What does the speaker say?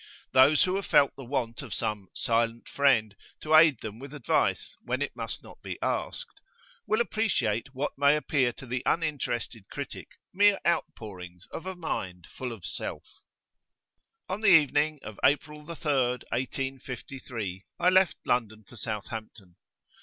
Those who have felt the want of some "silent friend" to aid them with advice, when it must not be asked, will appreciate what may appear to the uninterested critic mere outpourings of a mind full of self.[FN#6] On the evening of April 3, 1853, I left London for Southampton.